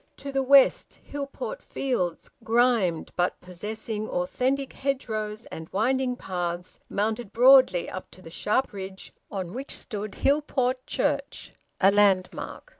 To the west, Hillport Fields, grimed but possessing authentic hedgerows and winding paths, mounted broadly up to the sharp ridge on which stood Hillport Church, a landmark.